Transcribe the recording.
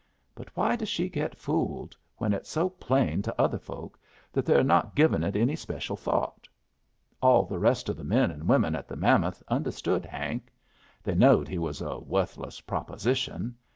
But why does she get fooled, when it's so plain to other folks that are not givin' it any special thought? All the rest of the men and women at the Mammoth understood Hank. They knowed he was a worthless proposition.